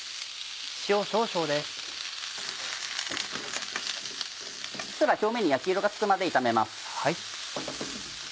うっすら表面に焼き色がつくまで炒めます。